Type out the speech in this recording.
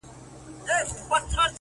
دعا ! دعا ! دعا !دعا كومه!